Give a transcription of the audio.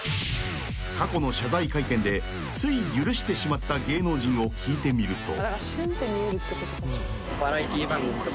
［過去の謝罪会見でつい許してしまった芸能人を聞いてみると］